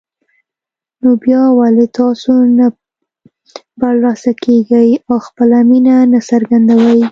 نو بيا ولې تاسو نه برلاسه کېږئ او خپله مينه نه څرګندوئ